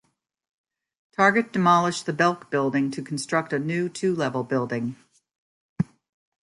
Target demolished the Belk building to construct a new, two-level building.